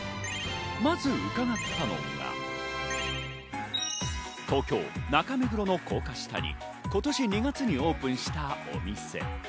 まず伺ったのが東京・中目黒の高架下に今年２月にオープンしたお店。